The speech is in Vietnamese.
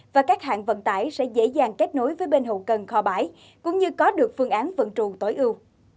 và các hãng vận tải sẽ dễ dàng kết nối với bên hậu cần kho bãi cũng như có được phương án vận trù tối ưu